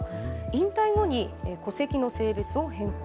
引退後に戸籍の性別を変更。